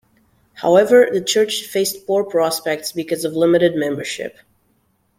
However, the church faced poor prospects because of limited membership.